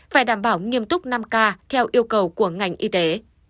phải đảm bảo nghiêm túc năm k theo yêu cầu của ngành y tế